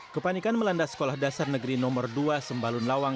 kepanikan melanda sekolah dasar negeri nomor dua sembalun lawang